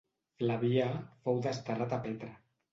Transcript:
Flavià fou desterrat a Petra.